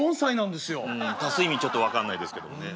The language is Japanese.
ん足す意味ちょっと分かんないですけどもね。